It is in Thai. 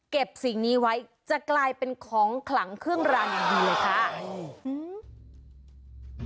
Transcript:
สิ่งนี้ไว้จะกลายเป็นของขลังเครื่องรางอย่างดีเลยค่ะ